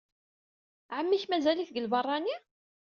Ɛemmi-k mazal-it deg lbeṛṛani?